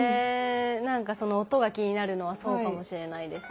何かその音が気になるのはそうかもしれないですね。